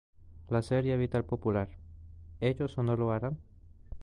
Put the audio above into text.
La serie evita el popular "¿Ellos o no lo harán?